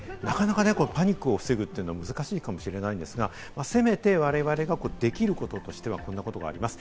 パニックを防ぐのはなかなか難しいかもしれないんですが、せめて我々ができることとしては、こんなことがあります。